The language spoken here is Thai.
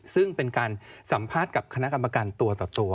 ซึ่งเป็นการสัมภาษณ์กับคณะกรรมการตัวต่อตัว